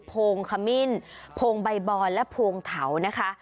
โพงขมิ้นโพงใบบอนและโพงเถานะคะ